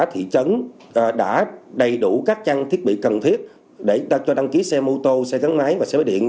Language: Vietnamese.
thị trấn đã đầy đủ các trang thiết bị cần thiết để chúng ta cho đăng ký xe mô tô xe gắn máy và xe máy điện